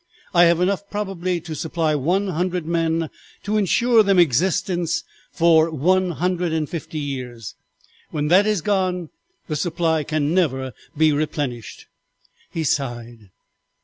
I have enough probably to supply one hundred men to insure them existence for one hundred and fifty years. When that is gone the supply can never be replenished.' "He sighed.